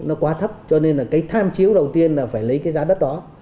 nó quá thấp cho nên là cái tham chiếu đầu tiên là phải lấy cái giá đất đó